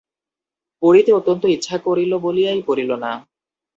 পড়িতে অত্যন্ত ইচ্ছা করিল বলিয়াই পড়িল না।